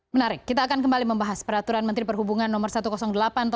menarik kita akan kembali membahas peraturan menteri perhubungan no satu ratus delapan tahun dua ribu dua